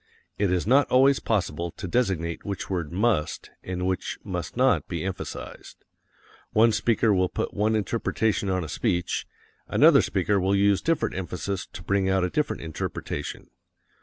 It is not always possible to designate which word must, and which must not be emphasized. One speaker will put one interpretation on a speech, another speaker will use different emphasis to bring out a different interpretation.